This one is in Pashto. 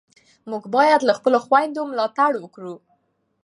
موږ باید له خپلو خویندو ملاتړ وکړو.